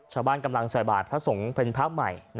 ชาวบ้านกำลังใส่บาทพระสงฆ์เป็นพระใหม่